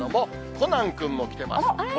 コナン君も来てます。